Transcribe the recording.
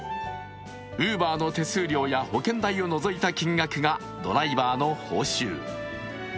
Ｕｂｅｒの手数料や保険代を除いた金額がドライバーの報酬。